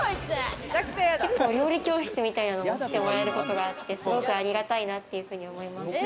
結構、料理教室みたいのをしてもらえることがあってすごくありがたいなって思います。